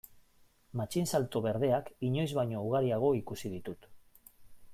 Matxinsalto berdeak inoiz baino ugariago ikusi ditut.